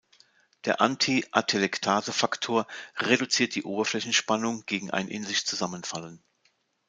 Der Anti-Atelektase-Faktor reduziert die Oberflächenspannung gegen ein in sich Zusammenfallen.